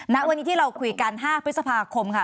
ณวันนี้ที่เราคุยกัน๕พฤษภาคมค่ะ